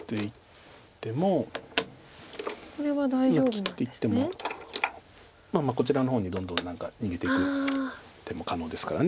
切っていってもまあまあこちらの方にどんどん逃げていく手も可能ですから。